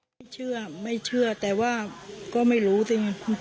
ไม่เชื่อไม่เชื่อแต่ว่าก็ไม่รู้สิ